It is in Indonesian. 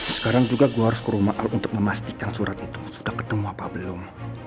sekarang juga gue harus ke rumah untuk memastikan surat itu sudah ketemu apa belum